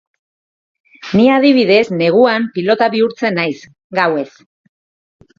Ni, adibidez, neguan, pilota bihurtzen naiz, gauez.